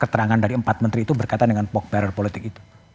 keterangan dari empat menteri itu berkaitan dengan barrier politik itu